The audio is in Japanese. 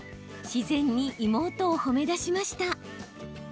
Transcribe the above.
自然に妹を褒めだしました。